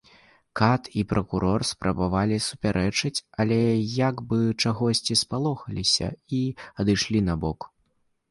Кат і пракурор спрабавалі супярэчыць, але як бы чагосьці спалохаліся і адышлі набок.